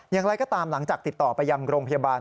อย่างไรก็ตามหลังจากติดต่อไปยังโรงพยาบาล